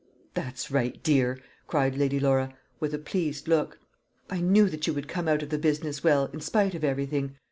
"That's right, dear!" cried Lady Laura, with a pleased look. "I knew that you would come out of the business well, in spite of everything.